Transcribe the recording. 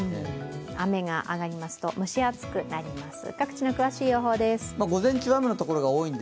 雨が上がりますと蒸し暑くなります。